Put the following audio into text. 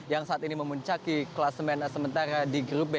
yang saat ini memuncaki kelas men sementara di grup b